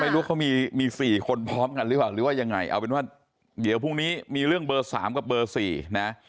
ไม่รู้เขามี๔คนพร้อมกันหรือเปล่าหรือว่ายังไงเอาเป็นว่าเดี๋ยวพรุ่งนี้มีเรื่องเบอร์๓กับเบอร์๔นะ